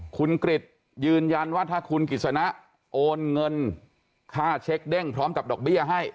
คุณกริจยืนยันว่าถ้าคุณกิจสนะโอนเงินค่าเช็คเด้งพร้อมกับดอกเบี้ยให้